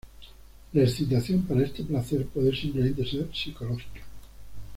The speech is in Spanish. La excitación para este placer puede simplemente ser psicológica.